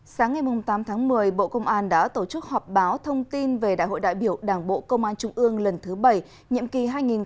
sáng ngày tám tháng một mươi bộ công an đã tổ chức họp báo thông tin về đại hội đại biểu đảng bộ công an trung ương lần thứ bảy nhiệm kỳ hai nghìn hai mươi hai nghìn hai mươi năm